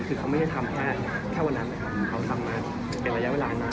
คือเขาไม่ได้ทำแค่วันนั้นนะครับเขาทำมาเป็นระยะเวลานาน